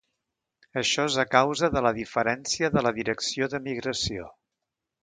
Això és a causa de la diferència de la direcció de migració.